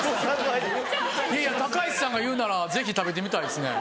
高市さんが言うならぜひ食べてみたいですね。